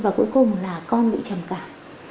và cuối cùng là con bị trầm cảm